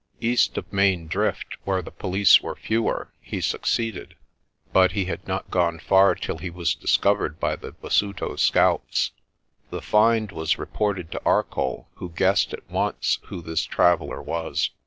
East of Main Drift, where the police were fewer, he succeeded; but he had not gone far till he was discovered by the Basuto scouts. The find was reported to Arcoll who guessed at once who this traveller was.